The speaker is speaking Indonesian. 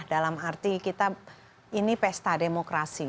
dalam arti kita ini pesta demokrasi